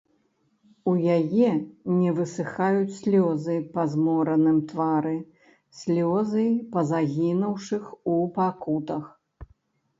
У яе не высыхаюць слёзы на змораным твары, слёзы па загінуўшых у пакутах.